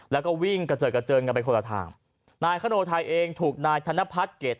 แล้วก็วิ่งกระเจิดกระเจิงกันไปคนละทางนายคโนไทยเองถูกนายธนพัฒน์เกรด